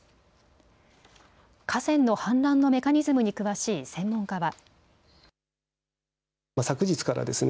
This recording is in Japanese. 河川の氾濫のメカニズムに詳しい専門家は。